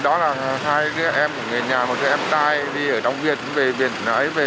đó là hai đứa em một người nhà một người em trai đi ở đông việt về việt nam